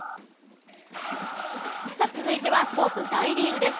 さあ、続いてはスポーツ、大リーグです。